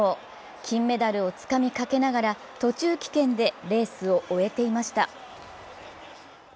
金メダルをつかみかけながら途中棄権でレースを終えていました。